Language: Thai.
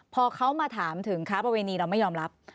พอเขามาถามถึงค้าประเวณีเราไม่ยอมรับ